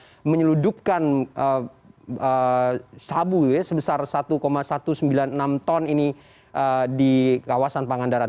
untuk menyeludupkan sabu sebesar satu satu ratus sembilan puluh enam ton ini di kawasan pangandaran